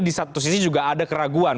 di satu sisi juga ada keraguan